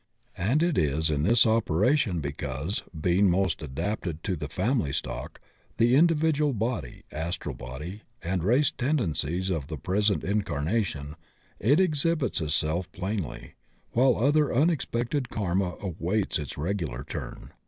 And it is in operation because, being most adapted to the family stock, the individual body, astral body, and race tendencies of the present incarnation, it exhibits itself plainly, while other unexpended karma awaits its regular turn.